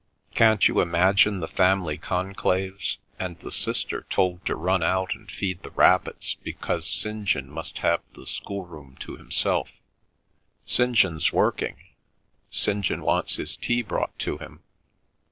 Can't you imagine the family conclaves, and the sister told to run out and feed the rabbits because St. John must have the school room to himself—'St. John's working,' 'St. John wants his tea brought to him.